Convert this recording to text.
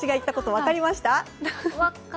分かりました。